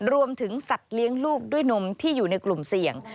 สัตว์เลี้ยงลูกด้วยนมที่อยู่ในกลุ่มเสี่ยง